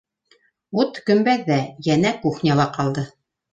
Ут көмбәҙҙә, йәнә кухняла ҡалды.